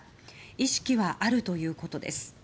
意識はあるということです。